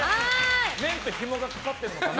麺とヒモがかかってるのかな。